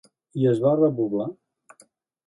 I es va repoblar?